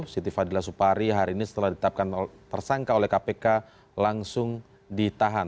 siti fadila supari hari ini setelah ditetapkan tersangka oleh kpk langsung ditahan